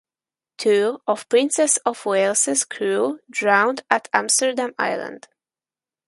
Two of "Princess of Wales"s crew drowned at Amsterdam Island.